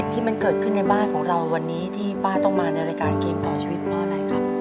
ที่มันเกิดขึ้นในบ้านของเราวันนี้ที่ป้าต้องมาในรายการเกมต่อชีวิตเพราะอะไรครับ